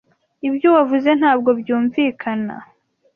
Ibyo wavuze ntabwo byumvikana.